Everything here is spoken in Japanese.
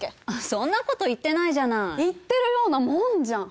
そんなこと言ってないじゃない言ってるようなもんじゃん